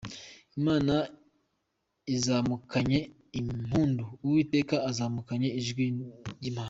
Imana izamukanye impundu, Uwiteka azamukanye ijwi ry’impanda.